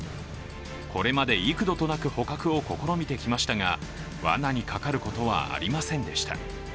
これまで幾度となく捕獲を試みてきましたがわなにかかることはありませんでした。